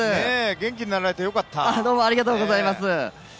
元気になられてよかった。